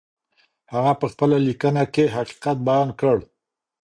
هغې په خپله لیکنه کې حقیقت بیان کړ.